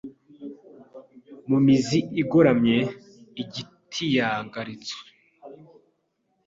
mu mizi igoramye igitiyahagaritswe